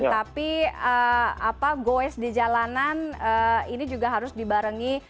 tapi goes di jalanan ini juga harus dibarengi